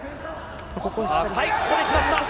ここできました！